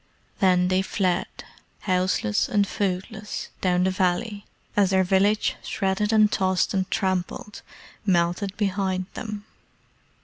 Then they fled, houseless and foodless, down the valley, as their village, shredded and tossed and trampled, melted behind them.